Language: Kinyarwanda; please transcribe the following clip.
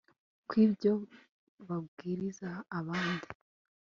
kwibyo babwiriza abandi